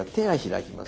はい。